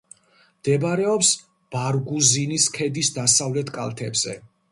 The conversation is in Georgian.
მდებარეობს ბარგუზინის ქედის დასავლეთ კალთებზე.